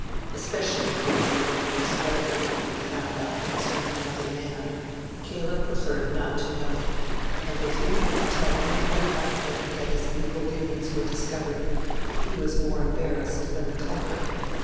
Especially if there was anything discreditable to be found out concerning another man, Caleb preferred not to know it; and if he had to tell anybody under him that his evil doings were discovered, he was more embarrassed than the culprit.